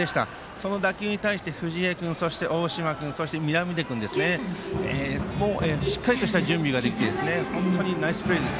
その打球に対して、藤江君そして大島君、南出君もしっかりとした準備ができて本当にナイスプレーです。